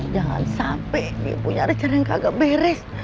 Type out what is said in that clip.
jangan sampai dia punya recer yang kagak beres